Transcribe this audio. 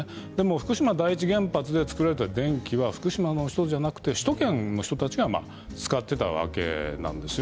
福島第一原発で作られた電気は福島の人ではなくて首都圏の人たちが使っていたわけです。